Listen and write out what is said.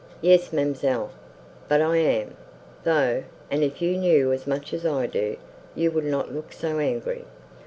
"Yes, ma'amselle, but I am, though; and if you knew as much as I do, you would not look so angry.